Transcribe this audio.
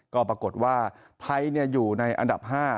ก็ปรากฏว่าไทยอยู่ในอันดับ๕